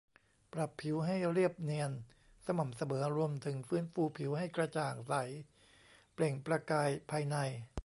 ปรับผิวให้เรียบเนียนสม่ำเสมอ รวมถึงฟื้นฟูผิวให้กระจ่างใสเปล่งประกายภายใน